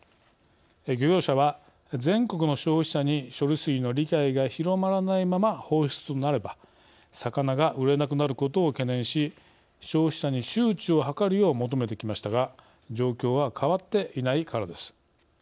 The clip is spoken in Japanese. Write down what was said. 漁業者は全国の消費者に処理水の理解が広まらないまま放出となれば魚が売れなくなることを懸念し消費者に周知を図るよう求めてきましたが状況は変わっていないからです。